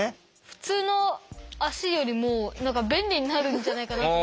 普通の足よりも何か便利になるんじゃないかなと。